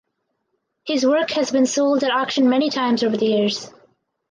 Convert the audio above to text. His work has been sold at auction many times over the years.